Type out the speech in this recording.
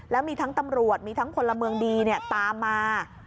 แล้วมีทั้งตำรวจมีทั้งพลเมืองดีตามมา